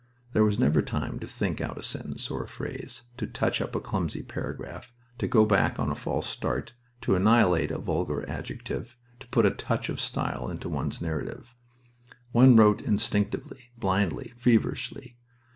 There was never time to think out a sentence or a phrase, to touch up a clumsy paragraph, to go back on a false start, to annihilate a vulgar adjective, to put a touch of style into one's narrative. One wrote instinctively, blindly, feverishly...